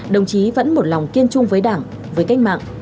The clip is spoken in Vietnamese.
đồng chí vẫn một lòng kiên trung với đảng với cách mạng